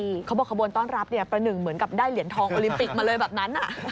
ใช่เขาบอกขบวนต้อนรับเนี่ยประหนึ่งเหมือนกับได้เหรียญทองโอลิมปิกมาเลยแบบนั้น